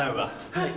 はい。